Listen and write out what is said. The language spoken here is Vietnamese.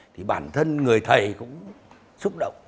thì bản thân người thầy cũng xúc động